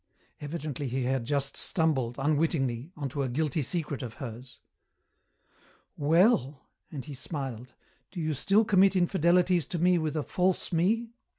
Evidently he had just stumbled, unwittingly, onto a guilty secret of hers. "Well," and he smiled, "do you still commit infidelities to me with a false me?"